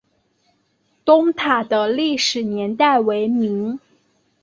东塔的历史年代为明。